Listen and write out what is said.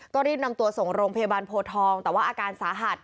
ก็รีบนำตัวส่งโรงพยาบาลโพทองแต่ว่าอาการสาหัส